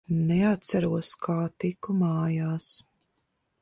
Neatceros, kā tiku mājās.